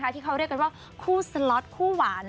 ที่เขาเรียกกันว่าคู่สล็อตคู่หวาน